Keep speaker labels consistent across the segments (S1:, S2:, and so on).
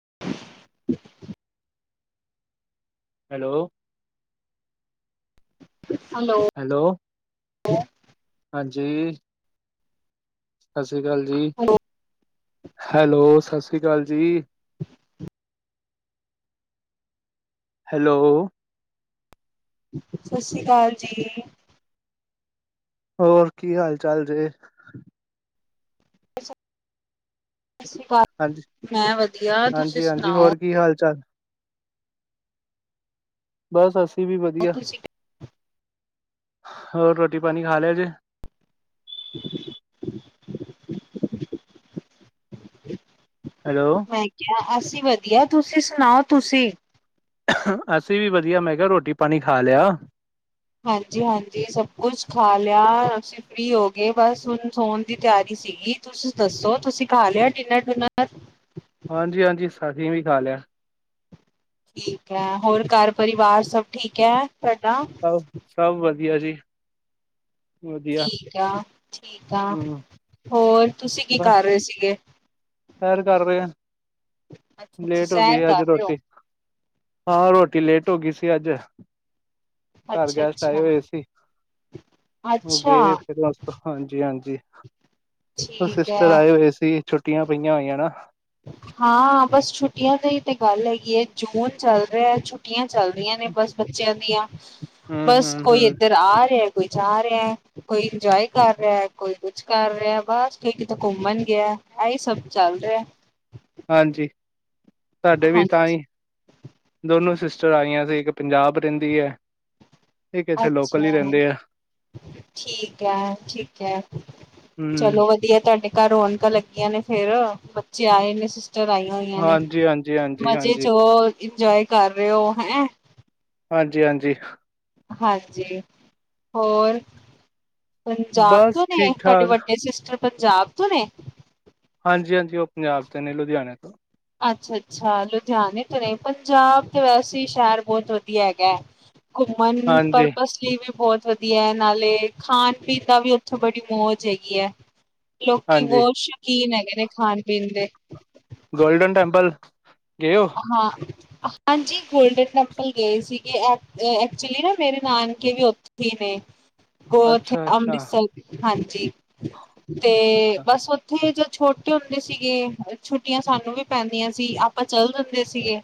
S1: [inaudible]
S2: Hello. Hello.
S1: Hello
S2: ਹਾਂਜੀ ।ਸਤਿ ਸ਼੍ਰੀ ਅਕਾਲ ਜੀ।
S1: Hello,
S2: hello. ਸਤਿ ਸ਼੍ਰੀ ਅਕਾਲ ਜੀ। ਹੈਲੋ।
S1: ਸਤਿ ਸ਼੍ਰੀ ਅਕਾਲ ਜੀ।
S2: ਹੋਰ ਕੀ ਹਾਲ ਚਾਲ ਜੇ।
S1: ਸਤਿ ਸ਼੍ਰੀ ਅਕਾਲ।
S2: ਹਾਂਜੀ,
S1: ਮੈਂ ਵਧੀਆਂ ਤੁਸੀਂ
S2: ਹਾਂਜੀ, ਹਾਂਜੀ
S1: ਸੁਣਾਓ।
S2: ਹੋਰ ਕੀ ਹਾਲ ਚਾਲ ਬਸ ਅਸੀਂ ਵੀ ਵਧੀਆਂ।
S1: ਤੁਸੀਂ
S2: ਹੋਰ ਰੋਟੀ ਪਾਣੀ ਖਾਂ ਲ਼ਿਆ ਜੇ।
S1: [inaudible]
S2: ਹੈਲੋ
S1: ਮੈਂ ਕਿਹਾਂ ਅਸੀਂ ਵਧੀਆਂ। ਤੁਸੀਂ ਸੁਣਾਓ ਤੁਸੀਂ।
S2: ਅਸੀਂ ਵੀ ਵਧੀਆਂ। ਮੈਂ ਕਿਹਾਂ ਰੋਟੀ ਪਾਣੀ ਖਾਂ ਲ਼ਿਆ।
S1: ਹਾਂਜੀ ਹਾਂਜੀ ਸਭ ਕੁੱਛ ਖਾਂ ਲ਼ਿਆ ਅਸੀਂ ਫ੍ਰਰੀ ਹੋ ਗਏ ਬਸ ਹੁਣ ਸੋਣ ਦੀ ਤਿਆਰੀ। ਸੀਗੀ। ਤੁਸੀਂ ਦੱਸੋਂ ਤੁਸੀਂ ਖਾਂ ਲ਼ਿਆ ਡਿਨਰ ਡੁਨਰ।
S2: ਹਾਂਜੀ, ਹਾਂਜੀ ਅਸੀਂ ਵੀ ਖਾਂ ਲ਼ਿਆ।
S1: ਠੀਕ ਹੈ ।ਹੋਰ ਘਰ ਪਰਿਵਾਰ ਸਭ ਠੀਕ ਹੈਂ ।ਤੁਡਾ
S2: ਵਧੀਆਂ ਜੀ। ਵਧੀਆ,
S1: ਠੀਕ ਆ, ਠੀਕ ਆ।
S2: ਹੂੰ
S1: ਹੋਰ ਤੁਸੀਂ ਕੀ
S2: ਬਸ
S1: ਕਰ ਰਹੇਂ ਸੀ। ਗੇ
S2: ਸੈਰ ਕਰ ਰਹੇ
S1: ਅੱਛਾ-ਅੱਛਾ,
S2: ਲੇਟ ਹੋ
S1: ਸੈਰ
S2: ਗਈਂ ਅੱਜ਼
S1: ਕਰ ਰਹੇ ਹੋ
S2: ਰੋਟੀ। ਆਹੋ ਰੋਟੀ ਲੇਟ ਹੋ ਗਈਂ ਸੀ ਅੱਜ਼। ਘਰ ਗੈਸਟ ਆਏਂ
S1: ਅੱਛਾ-ਅੱਛਾ,
S2: ਹੋਏ ਸੀ।
S1: ਅੱਛਾ
S2: ਉਹ ਗਏ ਦੇ।
S1: ਅੱਛਾ,
S2: ਫ਼ਿਰ ਹਾਂਜੀ, ਹਾਂਜੀ ਉਹ
S1: ਠੀਕ ਹੈ।
S2: ਸਿਸਟਰ ਆਏਂ ਹੋਏ ਸੀ। ਛੁੱਟੀਆਂ ਪਈਆਂ ਹੋਈਆਂ ਨਾ।
S1: ਹਾਂ ਬਸ ਛੁੱਟੀਆਂ ਤੇ ਹੀ ਤੇ ਗੱਲ਼ ਹੈਗੀ ਹੈਂ ।ਜੂਨ ਚੱਲ ਰਿਹਾਂ ਛੁੱਟੀਆਂ। ਚੱਲ ਰਹੀਆਂ ਨੇਂ ਬਸ ਬੱਚਿਆਂ ਦੀਆਂ।
S2: ਹੂੰ
S1: ਬਸ
S2: ਹੂੰ
S1: ਕੋਈ
S2: ਹੂੰ
S1: ਇੱਧਰ ਆ ਰਿਹਾਂ। ਕੋਈ ਜਾਂ ਰਿਹਾਂ। ਕੋਈ ਇੰਜੋਏ ਕਰ ਰਿਹਾਂ ।ਕੋਈ ਕੁੱਛ ਕਰ ਰਿਹਾਂ ।ਬਸ ਕੋਈ ਕਿਤੇ ਘੁੰਮਣ ਗਿਆਂ। ਇਹੀ ਸਭ ਚੱਲ ਰਿਹਾਂ।
S2: ਹਾਂਜੀ। ਸਾਡੇ ਵੀ ਤਾਂ
S1: ਹਾਂਜੀ
S2: ਹੀ ਦੋਨੋਂ ਸ਼ਿਸ- ਆਈਆਂ ਸੀ। ਇੱਕ ਪੰਜਾਬ ਰਹਿੰਦੀ ਹੈਂ ।ਇੱਕ ਇੱਥੇਂ ਲੋਕਲ ਹੀ
S1: ਅੱਛਾ
S2: ਰਹਿੰਦੇਂ ਆ।
S1: ਠੀਕ ਹੈ ਠੀਕ ਹੈ
S2: ਹੂੰ
S1: ਚਲੋ ਵਧੀਆ ਤੁਹਾਡੇ ਾਂ ਰੌਣਕਾਂ ਲੱਗੀਆਂ ਨੇ ਫੇਿਰ ਬੱਚੇ ਆਏ ਨੇ ਚਰਾਈਆਂ ਹੋਈਆਂ ਨੇ
S2: ਹਾਂਜੀ ਹਾਂਜੀ ਹਾਂਜੀ
S1: ਮਜ਼ੇ
S2: ਹਾਂਜੀ
S1: ਚ ਉਹ ਇੰਜੋਏ ਕਰ ਰਹੇ ਹੋ ਹੈਂ
S2: ਹਾਂਜੀ- ਹਾਂਜੀ
S1: ਹਾਂਜੀ ਹੋਰ ਪੰਜਾਬ
S2: ਬਸ
S1: ਤੋਂ ਨੇ
S2: ਠੀਕ
S1: ਤੁਹਾਡੇ
S2: ਠਾਕ
S1: ਵੱਡੇ ਸਿਸਟਰ ਪੰਜਾਬ ਤੋਂ ਨੇ
S2: ਹਾਂਜੀ ਹਾਂਜੀ ਉਹ ਪੰਜਾਬ ਤੇ ਨੇ ਲੁਧਿਆਣੇ ਤੋਂ
S1: ਅੱਛਾ ਅੱਛਾ ਲੁਧਿਆਣੇ ਤੋਂ ਨ ਪੰਜਾਬ ਤੇ ਵੈਸੇ ਸ਼ਹਿਰ ਬਹੁਤ ਵਧੀਆ ਹੈਗਾ ਹੈ ਘੁੰਮਣ
S2: ਹਾਂਜੀ
S1: ਪਰਪਸ ਲਈ ਵੀ ਬਹੁਤ ਵਧੀਆ ਹੈ ਨਾਲੇ ਖਾਣ ਪੀਣ ਦਾ ਵੀ ਉੱਥੇ ਬੜੀ ਮੌਜ ਹੈਗੀ ਹੈ ਲੋਕੀ
S2: ਹਾਂਜੀ
S1: ਬਹੁਤ ਸ਼ੌਕੀਨ ਹੈਗੇ ਨੇ ਖਾਣ ਪੀਣ ਦੇ
S2: ਗੋਲਡਨ ਟੈਂਪਲ ਗਏ ਹੋ
S1: ਹਾਂ ਹਾਂਜੀ ਗੋਲਡਨ ਟੈਂਪਲ ਗਏ ਸੀਗੇ ਐਕ ਐਕਚੁਲੀ ਨਾ ਮੇਰੇ ਨਾਨਕੇ ਵੀ ਉੱਥੇ ਹੀ ਨ ਉੱਥੇ
S2: ਅੱਛਾ ਅੱਛਾ
S1: ਅੰਮ੍ਰਿਤਸਰ ਹਾਂਜੀ ਤੇ ਬਸ ਉੱਥੇ ਜ ਛੋਟੇ ਹੁੰਦੇ ਸੀਗੇ ਛੁੱਟੀਆਂ ਸਾਨੂੰ ਵੀ ਪੈਂਦੀਆਂ ਸੀ ਆਪਾਂ ਚੱਲ ਦਿੰਦੇ ਸੀਗੇ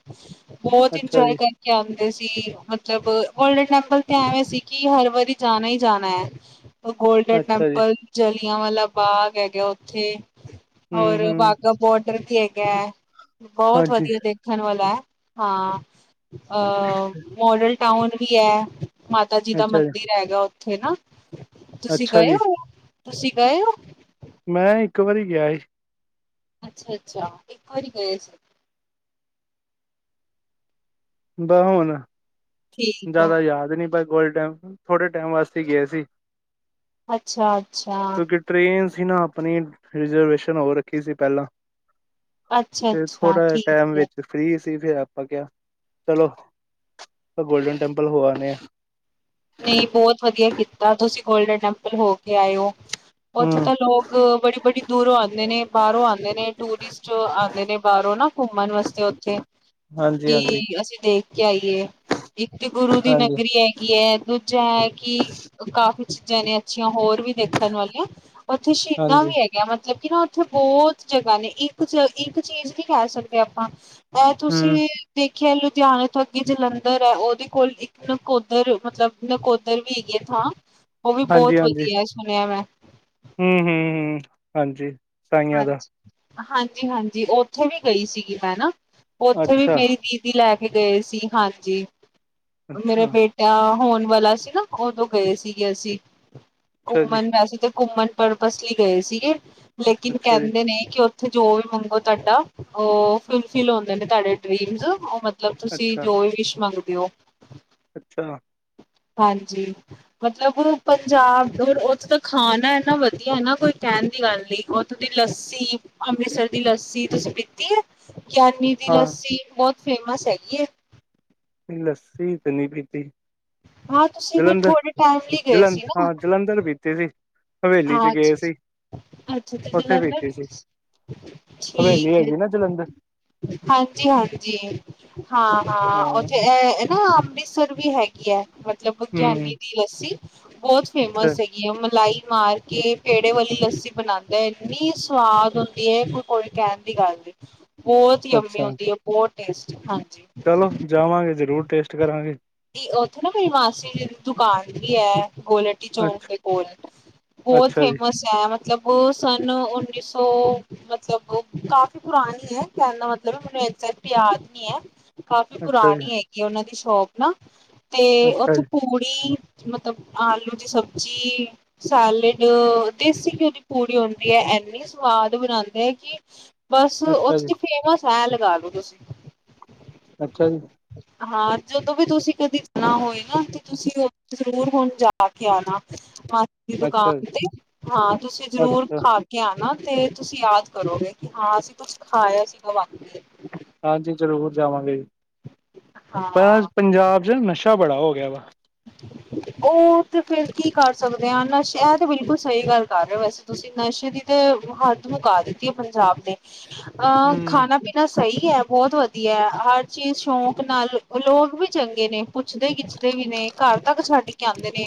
S1: ਬਹੁਤ
S2: ਅੱਛਾ
S1: ਇੰਜੋਏ
S2: ਜੀ
S1: ਕਰਕੇ ਆਂਦੇ ਸੀ ਮਤਲਬ ਗੋਲਡਨ ਟੈਂਪਲ ਤੇ ਐਵੇਂ ਸੀ ਕਿ ਹਰ ਵਾਰੀ ਜਾਣਾ ਹੀ ਜਾਣਾ ਹੈ ਗੋਲਡਨ
S2: ਅੱਛਾ ਜੀ
S1: ਟੈਂਪਲ ਜਲੀਆਂਵਾਲਾ ਬਾਗ ਹੈਗਾ ਉੱਥੇ
S2: ਹੂੰ
S1: ਹੋਰ ਵਾਘਾ ਬੋਡਰ ਵੀ ਹੈਗਾ
S2: ਹਾਂ
S1: ਬਹੁਤ
S2: ਜੀ
S1: ਵਧੀਆ ਦੇਖਣ ਵਾਲਾ ਹੈ ਹਾਂ ਅ ਮੋਡਲ ਟਾਊਨ ਵੀ ਹੈ ਮਾਤਾ ਜੀ ਦਾ ਮੰਦਿਰ ਹੈਗਾ ਉੱਥੇ ਨਾ ਤੁਸੀਂ
S2: ਅੱਛਾ
S1: ਗਏ
S2: ਜੀ
S1: ਹੋ ਤੁਸੀਂ ਗਏ ਹੋ
S2: ਮੈਂ ਇੱਕ ਵਾਰੀ ਗਿਆ ਸੀ
S1: ਅੱਛਾ ਅੱਛਾ ਇੱਕ ਵਾਰੀ ਗਏ ਸੀ
S2: ਬ ਹੁਣ
S1: ਠੀਕ ਆ
S2: ਜਿਆਦਾ ਯਾਦ ਨੀ ਗੋਲਡਨ ਥੋੜੇ ਟਾਈਮ ਵਾਸਤੇ ਹੀ ਗਏ ਸੀ
S1: ਅੱਛਾ ਅੱਛਾ
S2: ਅਸੀਂ ਨਾ ਆਪਣੀ ਰਿਜ਼ਰਵੇਸ਼ਨ ਹੋ ਰੱਖੀ ਸੀ ਪਹਿਲਾਂ
S1: ਅੱਛਾ
S2: ਤੇ
S1: ਅੱਛਾ
S2: ਥੋੜਾ ਜਹਾ
S1: ਠੀਕ
S2: ਟਾਈਮ
S1: ਹੈ
S2: ਵਿੱਚ ਫ੍ਰੀ ਸੀ ਫਿਰ ਆਪਾਂ ਕਿਹਾ ਚਲੋ ਗੋਲਡਨ ਟੈਂਪਲ ਹੋੇ ਆਪਨੇ ਆ
S1: ਨਹੀਂ ਬਹੁਤ ਵਧੀਆ ਕੀਤਾ ਤੁਸੀਂ ਗੋਲਡਨ ਟੈਂਪਲ ਹੋ ਕੇ ਆਏਓ
S2: [unintelligible]
S1: ਉੱਥੇ ਤਾਂ ਲੋਕ ਬੜੀ ਬੜੀ ਦੂਰੋਂ ਆਉਂਦੇ ਨੇ ਬਾਹਰੋਂ ਆਉਂਦੇ ਨੇ ਟੂਰਿਸਟ ਆਉਂਦੇ ਨੇ ਬਾਹਰੋਂ ਨਾ ਘੁੰਮਣ ਵਾਸਤੇ ਉੱਥੇ
S2: ਹਾਂਜੀ
S1: ਕੀ
S2: ਹਾਂਜੀ
S1: ਅਸੀਂ ਦੇਖ ਕੇ ਆਈਏ ਇੱਕ ਤੇ ਗੁਰੂ ਦੀ
S2: ਹਾਂਜੀ
S1: ਨਗਰੀ ਹੈਗੀ ਹੈ ਜ ਕਿ ਕਾਫੀ ਚੀਜ਼ਾਂ ਨੇ ਅੱਛੀਆਂ ਹੋਰ ਵੀ ਦੇਖਣ ਵਾਲੀਆਂ ਉੱਥੇ ਸ਼ਹੀਦਾਂ
S2: ਹਾਂਜੀ
S1: ਵੀ ਹੈਗਾ ਮਤਲਬ ਕਿ ਨਾ ਉੱਥੇ ਬਹੁਤ ਜਗ੍ਹਾ ਨੇ ਇੱਕ ਇੱਕ ਚੀਜ਼ ਨਹੀਂ ਕਹਿ ਸਕਦੇ ਆਪਾਂ ਅ
S2: ਹੂੰ
S1: ਤੁਸੀਂ ਦੇਖ ਖ ਲੁਧਿਆਣੇ ਤੋਂ ਅੱਗੇ ਜਲੰਧਰ ਹੈ ਉਹਦੇ ਕੋਲ ਇੱਕ ਨਕੋਦਰ ਮਤਲਬ ਨਕੋਦਰ ਵੀ ਹੈਗੀ ਥਾਂ ਉਹ ਵੀ ਬਹੁਤ ਵਧੀਆ ਸੁਣਿਆ ਮੈਂ
S2: ਹਮ ਹਾਂਜੀ ਸਾਈਆਂ ਦਾ
S1: ਹਾਂਜੀ ਹਾਂਜੀ ਹਾਂਜੀ ਉੱਥੇ ਵੀ ਗਈ ਸੀਗੀ ਹੈ ਨਾ ਉੱਥੇ ਵੀ
S2: ਅੱਛਾ
S1: ਮੇਰੀ ਦੀਦੀ ਲੈ ਕੇ ਗਏ ਸੀ ਹਾਂਜੀ ਮੇਰਾ
S2: ਅੱਛਾ
S1: ਬੇਟਾ ਹੋਣ ਵਾਲਾ ਸੀ ਨਾ ਉਦੋਂ ਗਏ ਸੀਗੇ ਅਸੀਂ
S2: ਅੱਛਾ ਜੀ
S1: ਘੁੰਮਣ ਵੈਸੇ ਤੇ ਘੁੰਮਣ ਪਰਪਸ ਲਈ ਗਏ ਸੀਗੇ ਲੇਕਿਨ
S2: ਅੱਛਾ ਜੀ
S1: ਕਹਿੰਦੇ ਨੇ ੳਥੇ ਉੱਥੇ ਜੋ ਵੀ ਮੰਗੋ ਤੁਹਾਡਾ ਉਹ ਫੁਲਫਿਲ ਹੁੰਦੇ ਨੇ ਤੁਹਾਡੇ ਡਰੀਮ ਉਹ ਮਤਲਬ ਮਤਲਬ ਤੁਸੀਂ
S2: ਅੱਛਾ
S1: ਜੋ ਵੀ ਵਿਸ਼ ਮੰਗਦੇ ਹੋ
S2: ਅੱਛਾ।
S1: ਹਾਂਜੀ ਮਤਲਬ ਪੰਜਾਬ ਉੱਥੇ ਤਾਂ ਖਾਣਾ ਇੰਨਾ ਵਧੀਆ ਨਾ ਕੋਈ ਕਹਿਣ ਦੀ ਗੱਲ ਨੀ ਉਹ ਦੀ ਲੱਸੀ ਅੰਮ੍ਰਿਤਸਰ ਦੀ ਲੱਸੀ ਤੁਸੀਂ ਪੀਤੀ ਹੈ ਗਿਆਨੀ ਦੀ
S2: ਹਾਂ
S1: ਲੱਸੀ ਬਹੁਤ ਫੇਮਸ ਹੈਗੀ ਹੈ।
S2: ਲੱਸੀ ਤੇ ਨੀ ਪੀਤੀ।
S1: ਹਾਂ ਤੁਸੀਂ ਫਿਰ
S2: ਜਲੰਧਰ
S1: ਥੋੜੇ ਟਾਈਮ ਲਈ ਗਏ
S2: ਜਲੰਧਰ
S1: ਸੀ ਨਾ
S2: ਹਾਂ ਜਲੰਧਰ ਪਿਤਿ ਸੀ। ਹਵੇਲੀ ਚ ਗਏ
S1: ਹਾਂ
S2: ਸੀ।
S1: ਅੱਛਾ ਤੇ
S2: ਉੱਥੇ
S1: ਜਲੰਧਰ
S2: ਪੀਤੀ ਸੀ ਹਵੇਲੀ
S1: ਠੀਕ ਐ।
S2: ਹੈਗੀ ਨਾ ਜਲੰਧਰ
S1: ਹਾਂਜੀ-ਹਾਂਜੀ।
S2: ਹਾਂ
S1: ਹਾਂ-ਹਾਂ, ਉੱਥੇ ਨਾ ਅੰਮ੍ਰਿਤਸਰ ਵੀ ਹੈਗੀ ਹੈ। ਮਤਲਬ
S2: ਹੂੰ
S1: ਵਿਗਿਆਨੀ ਦੀ ਲੱਸੀ ਬਹੁਤ
S2: ਅੱਛਾ
S1: ਫੇਮਸ ਹੈਗੀ, ਆ ਮਲਾਈ ਮਾਰ ਕੇ ਪੇੜੇ ਵਾਲੀ ਲੱਸੀ ਬਣਾਦਾ ਇੰਨੀ ਸਵਾਦ ਹੁੰਦੀ ਹੈ, ਕੋਈ ਕੋਈ ਕਹਿਣ ਦੀ ਗੱਲ ਨਹੀਂ। ਬਹੁਤ ਹੀ ਜਮੀ
S2: ਅੱਛਾ
S1: ਹੁੰਦੀ ਹੈ, ਬਹੁਤ ਟੇਸਟੀ ਹਾਂਜੀ।
S2: ਚਲੋ ਜਾਵਾਂਗੇ, ਜਰੂਰ ਟੇਸਟ ਕਰਾਂਗੇ।
S1: ਉੱਥੇ ਨਾ ਕੋਈ ਮਾਸੀ ਜੀ ਦੀ ਦੁਕਾਨ ਵੀ ਹੈ। ਗੋਲ ਹੱਟੀ ਚੌਂਕ
S2: ਅੱਛਾ
S1: ਦੇ ਕੋਲ ਬਹੁਤ
S2: ਅੱਛਾ ਜੀ
S1: ਫੇਮਸ ਹੈ, ਮਤਲਬ ਉਹ ਸਨ ਉੱਨੀ ਸੌ ਮਤਲਬ ਕਾਫੀ ਪੁਰਾਣੀ ਹੈ, ਕਹਿਣ ਦਾ ਮਤਲਬ ਮੈਨੂੰ ਇ ਪਿਆਰ ਨੀ ਹੈ। ਕਾਫ਼ੀ
S2: ਅੱਛਾ ਜੀ
S1: ਪੁਰਾਣੀ ਹੈਗੀ ਆ, ਉਹਨਾਂ ਦੀ ਸ਼ੋਪ ਨਾ ਤੇ
S2: ਅੱਛਾ
S1: ਉੱਥੇ
S2: ਜੀ
S1: ਪੂੜੀ ਮਤਲਬ ਆਲੂ ਦੀ ਸਬਜ਼ੀ ਸੈਲਡ ਦੇਸੀ ਘਿਓ ਦੀ ਪੂੜੀ ਹੁੰਦੀ ਹੈ। ਇੰਨੀ ਸਵਾਦ ਬਣਾਦੇ ਆ ਕਿ ਬਸ
S2: ਅੱਛਾ ਜੀ
S1: ਉਥੇ ਚ ਫੇਮਸ ਹੈ, ਲਗਾ ਲਓ ਤੁਸੀਂ।
S2: ਅੱਛਾ ਜੀ।
S1: ਹਾਂ। ਜਦੋਂ ਵੀ ਤੁਸੀਂ ਕਦੇ ਜਾਣਾ ਹੋਏ, ਨਾ ਤੇ ਤੁਸੀਂ ਜ਼ਰੂਰ ਹੁਣ ਜਾ ਕੇ ਆਣਾ ਦੀ
S2: ਅੱਛਾ ਜੀ
S1: ਦੁਕਾਨ ਤੇ ਹਾਂ ਤੁਸੀਂ ਜ਼ਰੂਰ
S2: ਅੱਛਾ
S1: ਖਾ ਕੇ ਆਣਾ। ਤੇ ਤੁਸੀਂ ਯਾਦ ਕਰੋਗੇ, ਕਿ ਹਾਂ ਅਸੀਂ ਕੁਛ ਖਾਇਆ ਸੀਗਾ ਵਾਕੇ।
S2: ਹਾਂਜੀ ਜ਼ਰੂਰ ਜਾਵਾਂਗੇ, ਜੀ ਪਰ
S1: ਹਾਂ
S2: ਪੰਜਾਬ। ਨਸ਼ਾ ਬੜਾ ਹੋ ਗਿਆ ਵਾ।
S1: ਉਹ ਤੇ ਫਿਰ ਕੀ ਕਰ ਸਕਦੇ ਹਾਂ ਨਸ਼ੇ ਇਹ ਤੇ ਬਿਲਕੁਲ ਸਹੀ ਗੱਲ ਕਰ ਰਹੇ ਵੈਸੇ ਤੁਸੀਂ ਨਸ਼ੇ ਦੀ ਤੇ ਹੱਦ ਮੁਕਾ ਦਿੱਤੀ ਐ ਪੰਜਾਬ ਨੇ ਅਹ
S2: ਹੂੰ
S1: ਖਾਣਾ-ਪੀਣਾ, ਸਹੀ ਹੈ ਬਹੁਤ ਵਧੀਆ ਹੈ, ਹਰ ਚੀਜ਼ ਸ਼ੌਂਕ ਨਾਲ ਲੋਕ ਵੀ ਚੰਗੇ ਨੇ ਪੁੱਛਦੇ ਖਿੱਚਦੇ ਵੀ ਨੇ ਘਰ ਤੱਕ ਛੱਡ ਕੇ ਆਦੇ ਨੇ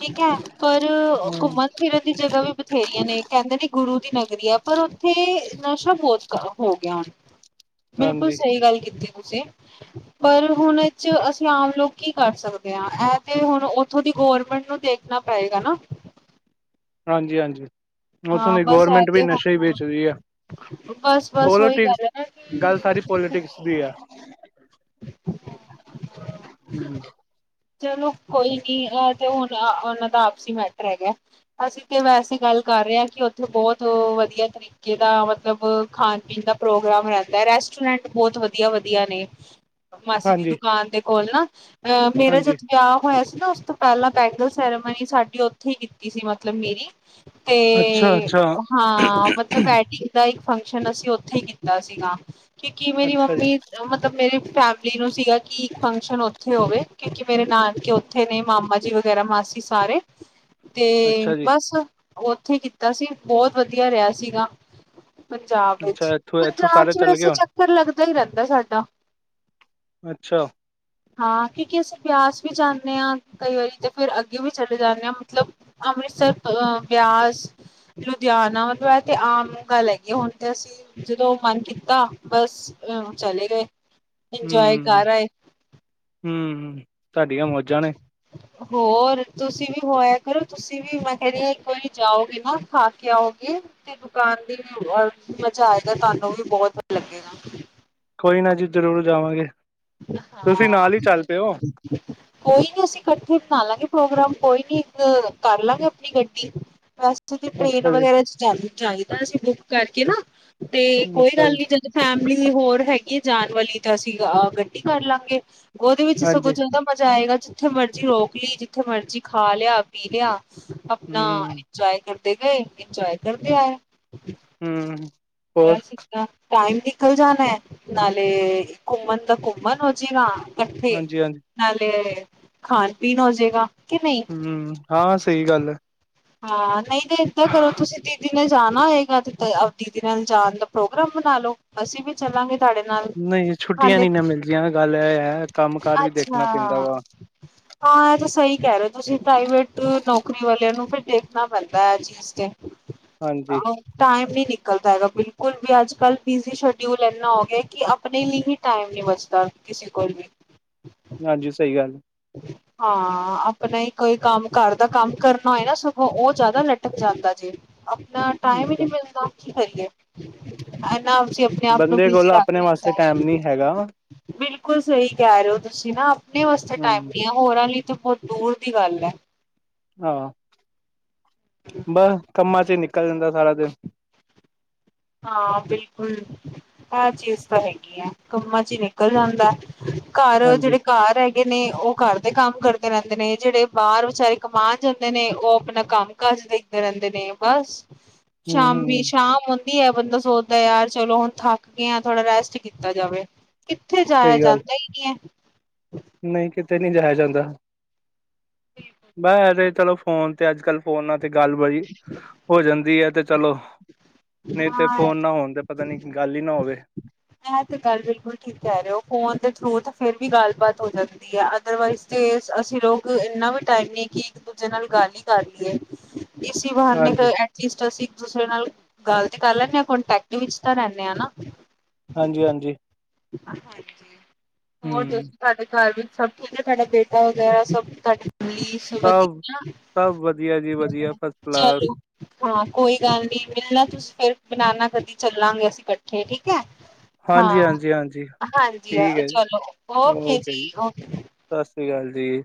S1: ਠੀਕ ਹੈ, ਪਰ
S2: ਹੂੰ
S1: ਘੁੰਮਣ ਫਿਰਨ ਦੀ ਜਗ੍ਹਾ ਵੀ ਬਥੇਰੀ ਨੇ ਕਹਿੰਦੇ ਨੇ ਗੁਰੂ ਦੀ ਨਗਰੀ ਆ, ਪਰ ਉੱਥੇ ਨਸ਼ਾ ਬਹੁਤ ਹੋ ਗਿਆ ਹੁਣ ਬਿਲਕੁਲ
S2: ਹਾਂਜੀ
S1: ਸਹੀ ਗੱਲ ਕੀਤੀ। ਪਰ ਹੁਣ ਚ ਅਸੀਂ ਆਮ ਲੋਕ ਕੀ ਕਰ ਸਕਦੇ ਹਾਂ। ਇਹ ਤੇ ਹੁਣ ਉੱਥੋਂ ਦੀ ਗਵੌਰਮੈਂਟ ਨੂੰ ਦੇਖਣਾ ਪਏਗਾ ਨਾ।
S2: ਹਾਂਜੀ-ਹਾਂਜੀ, ਉੱਥੋਂ
S1: ਹਾਂ
S2: ਦੀ
S1: ਬਸ ਇਹ
S2: ਗਵਰਮੈਂਟ ਵੀ
S1: ਤੇ
S2: ਨਸ਼ੇ ਹੀ
S1: ਹੁਣ
S2: ਵੇਚਦੀ ਆ।
S1: ਬਸ ਬਸ ਉਹੀ
S2: ਪੋਲੀਟਿਕਸ
S1: ਗੱਲ ਹੈ
S2: ਗੱਲ
S1: ਨਾ
S2: ਸਾਰੀ ਪੋਲੀਟਿਕਸ ਦੀ ਹੈ।
S1: ਕਿ
S2: ਹੂੰ।
S1: ਚਲੋ ਕੋਈ ਨੀਹ ਤੇ ਹੁਣ ਉਹਨਾਂ ਦਾ ਆਪਸੀ ਮੈਟਰ ਹੈਗਾ, ਅਸੀਂ ਤੇ ਵੈਸੇ ਗੱਲ ਕਰ ਰਿਹਾ ਕਿ ਉੱਥੇ ਬਹੁਤ ਵਧੀਆ ਤਰੀਕੇ ਦਾ ਮਤਲਬ, ਖਾਣ-ਪੀਣ ਦਾ ਪ੍ਰੋਗਰਾਮ ਰਹਿੰਦਾ ਰਹਿ ਰੈਸਟੋਰੈਂਟ ਬਹੁਤ ਵਧੀਆ ਵਧੀਆ ਨੇ। ਮਾਸੀ ਦੀ
S2: ਹਾਂਜੀ
S1: ਦੁਕਾਨ ਦੇ ਕੋਲ ਨਾ, ਅਹ ਮੇਰਾ ਜਦੋਂ
S2: ਹਾਂਜੀ
S1: ਵਿਆਹ ਹੋਇਆ ਸੀ। ਨਾ ਉਸ ਤੋਂ ਪਹਿਲਾਂ ਬੈਂਗਲ ਸੈਰੇਮਨੀ ਸਾਡੀ ਉੱਥੇ ਹੀ ਕੀਤੀ ਸੀ, ਮਤਲਬ ਮੇਰੀ
S2: ਅੱਛਾ
S1: ਤੇ
S2: ਅੱਛਾ
S1: ਹਾਂ ਮਤਲਬ ਬੈਟਿੰਗ ਦਾ ਇੱਕ ਫੰਕਸ਼ਨ ਅਸੀਂ ਉੱਥੇ ਹੀ ਕੀਤਾ ਸੀ ਗਾ ਕਿ ਕੀ ਮੇਰੀ
S2: ਅੱਛਾ ਜੀ
S1: ਮੰਮੀ ਮਤਲਬ ਮੇਰੇ ਫੈਮਿਲੀ ਨੂੰ ਸੀਗਾ ਕਿ, ਇੱਕ ਫੰਕਸ਼ਨ ਉੱਥੇ ਹੋਵੇ। ਕਿਉਂਕਿ ਮੇਰੇ ਨਾਨਕੇ ਉੱਥੇ ਨੇ ਮਾਮਾ ਜੀ ਵਗੈਰਾ ਮਾਸੀ ਸਾਰੇ। ਤੇ
S2: ਅੱਛਾ ਜੀ
S1: ਬਸ ਉੱਥੇ ਕੀਤਾ ਸੀ, ਬਹੁਤ ਵਧੀਆ ਰਿਹਾ ਸੀਗਾ। ਪੰਜਾਬ ਵਿੱਚ,
S2: ਅੱਛਾ ਇੱਥੋਂ ਇੱਥੋਂ
S1: ਪੰਜਾਬ
S2: ਸਾਰੇ
S1: ਚ
S2: ਚੱਲ ਗਏ
S1: ਵੈਸੇ
S2: ਹੋਣ।
S1: ਚੱਕਰ ਲੱਗਦਾ ਈ ਰਹਿੰਦਾ ਸਾਡਾ।
S2: ਅੱਛਾ।
S1: ਹਾਂ। ਕਿਉਂਕਿ ਅਸੀਂ ਬਿਆਸ ਵੀ ਜਾਨੇ ਆ ਕਈ ਵਾਰੀ ਤੇ ਫੇਰ ਅੱਗੇ ਵੀ ਚਲੇ ਜਾਨੇ ਆ, ਮਤਲਬ ਅੰਮ੍ਰਿਤਸਰ ਤੋਂ ਅਅ ਪਿਆਜ਼ ਲੁਧਿਆਣਾ [unintelligible] ਏਥੇ ਆਮ ਗੱਲ ਹੈਗੀ, ਏ ਹੁਣ ਤੇ ਅਸੀਂ ਜਦੋਂ ਮਨ ਕੀਤਾ ਬਸ ਹੂੰ, ਚਲੇ ਗਏ ਇੰਜੋਏ
S2: ਹੂੰ
S1: ਕਰ ਆਏ।
S2: ਤੁਹਾਡੀਆ ਮੌਜਾਂ ਨੇ।
S1: ਹੋਰ ਤੁਸੀਂ ਵੀ ਹੋਇਆ ਕਰੋ ਤੁਸੀਂ ਵੀ ਮੈਂ ਇੱਕ ਵਰੀ ਜਾਓਗੇ ਨਾ ਖਾ ਕੇ ਆਓਗੇ ਤੇ ਦੁਕਾਨ ਦੀ ਵੀ ਓ ਆਇਯੋ ਮਜ਼ਾ ਆਏਗਾ ਤੁਹਾਨੂੰ ਵੀ ਬਹੁਤ ਲੱਗੇਗਾ।
S2: ਕੋਈ ਨਾ ਜੀ ਜ਼ਰੂਰ ਜਾਵਾਂਗੇ। ਤੁਸੀਂ
S1: ਹਾਂ,
S2: ਨਾਲ ਹੀ ਚੱਲ ਪਿਓ
S1: ਕੋਈ ਨੀ ਅਸੀਂ ਕੱਠੇ ਬਣਾ ਲਾਂਗੇ ਪ੍ਰੋਗਰਾਮ। ਕੋਈ ਨੀ, ਕਰ ਲਾਂਗੇ ਅਪਨੀ ਗੱਡੀ ਬਸ ਦੀ ਟ੍ਰੇਨ
S2: ਅੱਛਾ ਜੀ
S1: ਵਗੈਰਾ ਚ ਜਾਂਦੀ ਚਾਈਦਾ ਸੀ ਬੁੱਕ ਕਰਕੇ ਨਾ, ਤੇ ਕੋਈ
S2: ਅੱਛਾ
S1: ਗੱਲ
S2: ਜੀ
S1: ਨੀ ਜਦੋਂ ਫੈਮਲੀ ਹੋਰ ਹੈਗੀ ਏ ਜਾਣ ਵਾਲੀ ਤਾਂ ਅਸੀਂ ਅ ਗੱਡੀ ਕਰ ਲਾਂਗੇ। ਉਹਦੇ ਵਿੱਚ ਸਗੋਂ
S2: ਹਾਂਜੀ
S1: ਜਾਦਾ ਮਜ਼ਾ ਆਏਗਾ ਜਿੱਥੇ ਮਰਜ਼ੀ ਰੋਕ ਲੀ ਜਿੱਥੇ ਮਰਜ਼ੀ ਖਾ ਲਿਆ ਪੀ ਲਿਆ ਅਪਨਾ
S2: ਹੂੰ
S1: ਇੰਜੋਏ ਕਰਦੇ ਗਏ ਇੰਜੋਏ ਕਰਦੇ ਆਏ।
S2: ਹਮ।
S1: ਬਸ ਇਦਾਂ ਟਾਈਮ ਨਿਕਲ ਜਾਣਾ ਏ ਨਾਲੇ ਘੁੰਮਣ ਦਾ ਘੁੰਮਣ ਹੋ ਜੇਗਾ ਕੱਠੇ,
S2: ਹਾਂਜੀ ਹਾਂਜੀ
S1: ਨਾਲੇ ਖਾਣ ਪੀਣ ਹੌਜੇਗਾ।
S2: ਹਮ ਹਾਂ ਸਹੀ ਗੱਲ ਐ।
S1: ਹਾਂ ਨਹੀਂ ਤੇ ਏਦਾਂ ਕਰੋ ਤੁਸੀਂ ਦੀਦੀ ਨੇ ਜਾਣਾ ਹੋਏਗਾ ਤੇ ਦੀਦੀ ਨਾਲ ਜਾਣ ਦਾ ਪ੍ਰੋਗਰਾਮ ਬਣਾ ਲਓ ਅਸੀਂ ਵੀ ਚੱਲਾਂਗੇ ਸਾਡੇ ਨਾਲ
S2: ਨਹੀਂ ਛੁੱਟੀਆਂ
S1: ਹਾਲੇ
S2: ਨੀ ਨਾ ਮਿਲਦੀਆਂ ਗੱਲ ਇਹ ਹੈ ਕੰਮ ਕਾਰ ਵੀ
S1: ਅੱਛਾ।
S2: ਦੇਖਣਾ ਪੈਂਦਾ ਵਾ
S1: ਹਾਂ ਇਹ ਤਾਂ ਸਹੀ ਕਹਿ ਰਹੇ ਓ ਤੁਸੀਂ ਪ੍ਰਾਈਵੇਟ ਨੌਕਰੀ ਵਾਲਿਆਂ ਨੂੰ ਫਿਰ ਦੇਖਣਾ ਪੈਂਦਾ ਏ ਐ ਚੀਜ਼ ਤੇ
S2: ਹਾਂਜੀ
S1: ਟਾਈਮ ਨੀ ਨਿਕ [unintelligible] ਤਾਂ ਹੈਗਾ ਬਿਲਕੁਲ ਵੀ ਅੱਜ ਕੱਲ ਬਿਜ਼ੀ ਸ਼ਡਿਊਲ ਇੰਨਾ ਹੋ ਗਿਆ ਕਿ ਆਪਣੇ ਲੀ ਹੀ ਟਾਈਮ ਨੀ ਬਚਦਾ। ਕਿਸੇ ਕੋਲ ਵੀ
S2: ਹਾਂਜੀ ਸਹੀ ਗੱਲ
S1: ਹਾਂ ਆਪਣਾ ਹੀ ਕੋਈ ਕੰਮ ਘਰ ਦਾ ਕੰਮ ਕਰਨਾ ਹੋਏ ਨਾ ਸਗੋਂ ਉਹ ਜ਼ਿਆਦਾ ਲਟਕ ਜਾਂਦਾ ਜੇ। ਅਪਨਾ ਟਾਈਮ ਈ ਨੀ
S2: ਅੱਛਾ
S1: ਮਿਲਦਾ ਕੀ ਕਰੀਏ ਅਪਨੇ ਆਪ ਨੂੰ
S2: ਬੰਦੇ
S1: ਬਿਜ਼ੀ
S2: ਕੋਲ
S1: ਰੱਖ
S2: ਆਪਣੇ ਵਾਸਤੇ
S1: ਲੀਤਾ
S2: ਟਾਈਮ
S1: ਐ।
S2: ਨੀ ਹੈਗਾ
S1: ਬਿਲਕੁਲ ਸਹੀ ਕਹਿ ਰਹੇ ਓ ਤੁਸੀਂ ਨਾ ਅਪਨੇ ਵਾਸਤੇ
S2: ਹੂੰ
S1: ਦੀਆ ਹੋਰਾਂ ਲਈ ਤੇ ਬਹੁਤ ਦੂਰ ਦੀ ਗੱਲ ਐ।
S2: ਹਾਂ ਬਸ ਕੰਮਾ ਚ ਈ ਨਿਕਲ ਜਾਂਦਾ ਸਾਰਾ ਦਿਨ।
S1: ਹਾਂ ਬਿਲਕੁਲ, ਐ ਚੀਜ਼ ਤਾਂ ਹੈਗੀ ਏ ਕੰਮਾਂ ਚ ਈ ਨਿਕਲ ਜਾਂਦਾ। ਘਰ
S2: ਹਾਂਜੀ
S1: ਜਿਹੜੇ ਘਰ [unintelligible] ਨੇ ਉਹ ਘਰ ਦੇ ਕੰਮ ਕਰਦੇ ਰਹਿੰਦੇ ਨੇ ਜਿਹੜੇ ਬਾਹਰ ਵਿਚਾਰੇ ਕਮਾਨ ਜਾਂਦੇ ਨੇ ਉਹ ਆਪਣਾ ਕੰਮ ਕਰ ਦੇਖਦੇ ਰਹਿੰਦੇ ਨੇ ਬਸ
S2: ਹੂੰ
S1: ਸ਼ਾਮੀ
S2: ਹੂੰ
S1: ਸ਼ਾਮ ਦੀ ਐ ਬੰਦਾ ਸੋਚਦੇ ਯਾਰ ਚਲੋ ਹੁਣ ਥੱਕ ਗਿਆਂ ਥੋੜ੍ਹਾ ਰੈਸਟ ਕੀਤਾ ਜਾਵੇ। ਕਿੱਥੇ ਜਾਇਆ ਜਾਂਦਾ ਇ ਨੀ ਐ।
S2: ਨਈ ਕਿੱਤੇ ਨੀ ਜਾਇਆ ਜਾਂਦਾ।
S1: ਹੈ
S2: ਮੈਂ ਚਲੋ ਫੋਨ ਤੇ ਅੱਜ ਕੱਲ ਫੋਨਾਂ ਤੇ ਗੱਲ ਬੜੀ ਹੋ ਜਾਂਦੀ ਐ ਤੇ ਚਲੋ, ਨਈ ਤੇ
S1: ਹਾਂ।
S2: ਫੋਨ ਨਾ ਹੋਣ ਤੇ ਪਤਾ ਨੀ ਗੱਲ ਇ ਨਾ ਹੋਵੇ।
S1: ਐ ਤੇ ਗੱਲ ਬਿਲਕੁਲ ਠੀਕ ਕਹਿ ਰੇ ਓ ਫੋਨ ਦੇ ਥਰੂ ਤਾਂ ਫਿਰ ਵੀ ਗੱਲਬਾਤ ਹੋ ਜਾਂਦੀ ਐ ਅਦਰਵਾਈਜ਼ ਤੇ [unintelligible] ਅਸੀਂ ਲੋਕ ਇੰਨਾ ਵੀ ਟਾਈਮ ਨੀ ਕਿ ਇੱਕ ਦੂਜੇ ਨਾਲ ਗੱਲ ਇ ਕਰ ਲੀਏ। ਇਸੀ ਬਾਹਾਨੇ ਤੇ
S2: ਹਾਂਜੀ
S1: ਐਟਲੀਸਟ ਅਸੀਂ ਇੱਕ ਦੂਸਰੇ ਨਾਲ ਗੱਲ ਤੇ ਕਰ ਲੈਂਦੇ ਆਾਂ ਕੋਂਟੈਕਟ ਵਿੱਚ ਤਾਂ ਰਹਿੰਦੇ ਆਾਂ ਨਾ
S2: ਹਾਂਜੀ ਹਾਂਜੀ
S1: ਹਾਂਜੀ ਹੋਰ
S2: ਹਮ
S1: ਤੁਸੀਂ ਸਾਡੇ ਘਰ ਵੀ ਸਭ ਕੁ ਤੁਹਾਡਾ ਬੇਟਾ ਵਗੈਰਾ ਸਭ ਤੁਹਾਡੀ ਫੈਮਲੀ ਸਭ ਵਧੀਆ
S2: ਸਭ ਵਧੀਆ ਜੀ ਵਧੀਆ ਫਸਟ ਕਲਾਸ
S1: ਚਲੋ ਹਾਂ ਕੋਈ ਗੱਲ ਨੀ ਮਿਲਣਾ ਤੁਸੀਂ ਫਿਰ ਬਨਾਨਾ ਕਦੀ ਚੱਲਾਂਗੇ ਅਸੀਂ ਇਕੱਠੇ ਠੀਕ ਹੈ
S2: ਹਾਂਜੀ
S1: ਹਾਂ
S2: ਹਾਂਜੀ ਹਾਂਜੀ
S1: ਹਾਂਜੀ
S2: ਠੀਕ ਹੈ ਜੀ
S1: ਚਲੋ
S2: ਓਕੇ ਜੀ
S1: ਓਕੇ
S2: ਸ ਸਤਿ ਸ਼੍ਰੀ ਅਕਾਲ ਜੀ